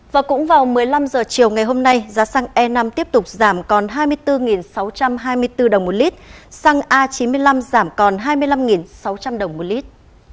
và cũng vào một mươi năm h chiều ngày hôm nay giá xăng e năm tiếp tục giảm còn hai mươi bốn sáu trăm hai mươi bốn đồng một lít xăng a chín mươi năm giảm còn hai mươi năm sáu trăm linh đồng một lít